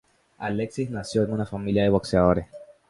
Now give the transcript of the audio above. Alexis nació en una familia de boxeadores.